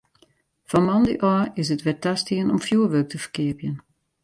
Fan moandei ôf is it wer tastien om fjoerwurk te ferkeapjen.